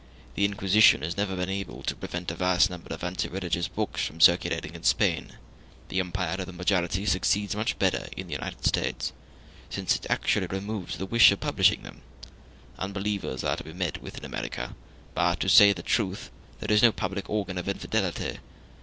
The Inquisition has never been able to prevent a vast number of anti religious books from circulating in Spain. The empire of the majority succeeds much better in the United States, since it actually removes the wish of publishing them. Unbelievers are to be met with in America, but, to say the truth, there is no public organ of infidelity.